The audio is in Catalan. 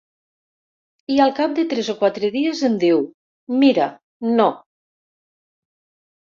I al cap de tres o quatre dies em diu: Mira, no.